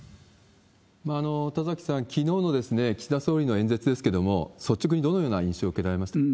田崎さん、きのうの岸田総理の演説ですけれども、率直にどのような印象を受けられましたか？